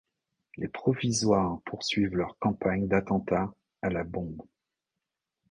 Les Provisoires poursuivent leur campagne d'attentats à la bombe.